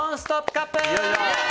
カップ！